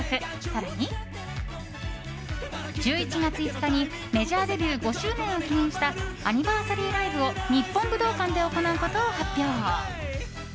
更に、１１月５日にメジャーデビュー５周年を記念したアニバーサリーライブを日本武道館で行うことを発表。